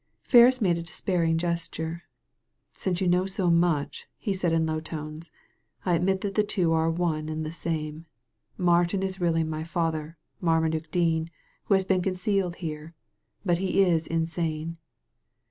Ferris made a despairing gesture. " Since you know so much," he said in low tones, •* I admit that the two are one and the same. Martin is really my father, Marmaduke Dean, who has been concealed here ; but he is insane."